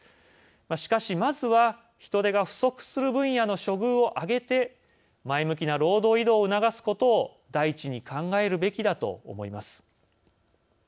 しかし、まずは人手が不足する分野の処遇を上げて前向きな労働移動を促すことを第一に考えるべきだと思います。